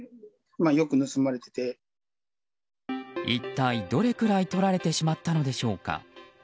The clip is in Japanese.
一体、どれくらいとられてしまったのでしょうか。